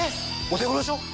お手頃でしょ？